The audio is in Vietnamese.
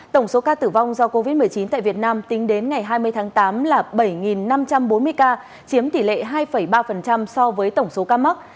tổng số ca tử vong do covid một mươi chín tại việt nam tính đến ngày hai mươi tháng tám là bảy năm trăm bốn mươi ca chiếm tỷ lệ hai ba so với tổng số ca mắc